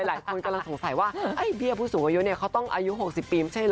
หลายคนกำลังสงสัยว่าไอ้เบี้ยผู้สูงอายุเนี่ยเขาต้องอายุ๖๐ปีไม่ใช่เหรอ